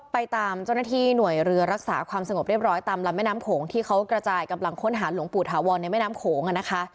ไปตามเจ้าหน้าที่หน่วยเรือรักษาความสงบเรียบร้อยตามลำแม่น้ำโขงที่เขากระจายกำลังค้นหาหลวงปู่ถาวรในแม่น้ำโขงนะคะ